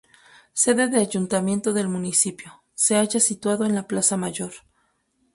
Sede del Ayuntamiento del municipio, se halla situado en la Plaza Mayor.